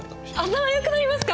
頭よくなりますか！？